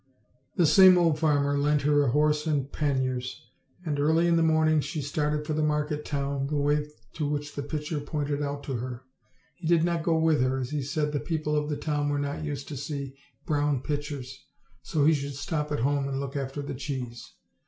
The same old farmer lent her a horse and panniers, and early in the morning she started for the market town, the way to which the pitcher pointed out to her. He did not go with her, as he said the people of the town were not used to see brown pitchers, so he should stop at home and look after the cheese.